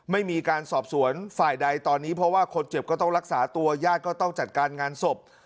ไม่มีการสอบสวนฝ่ายใดตอนนี้เพราะว่าคนเจ็บก็ต้องรักษาตัวญาติก็ต้องจัดการงานศพ